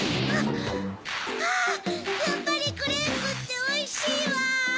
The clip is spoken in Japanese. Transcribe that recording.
はぁやっぱりクレープっておいしいわ！